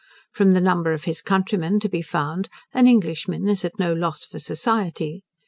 From the number of his countrymen to be found, an Englishman is at no loss for society.